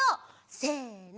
せの。